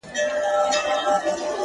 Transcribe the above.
پام چي د غزل لېمه دې تور نه سي-